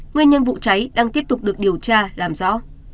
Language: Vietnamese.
nguyên nhân vụ cháy đang tiếp tục được điều tra làm rõ